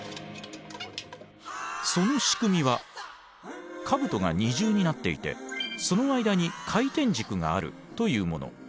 その仕組みは兜が二重になっていてその間に回転軸があるというもの。